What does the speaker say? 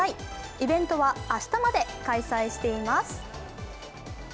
イベントは明日まで開催しています。